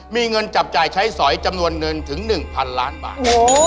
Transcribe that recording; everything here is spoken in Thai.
มีเงินจับจ่ายใช้สอยจำนวนเงินถึง๑๐๐๐ล้านบาท